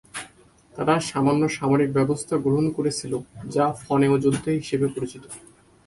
তারা সামান্য সামরিক ব্যবস্থা গ্রহণ করেছিল যা ফনেয় যুদ্ধ হিসেবে পরিচিত।